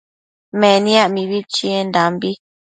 Meniac mibi chiendambi